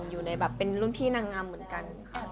อยู่ในแบบเป็นรุ่นพี่นางงามเหมือนกัน